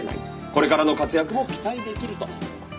「これからの活躍も期待出来る」と。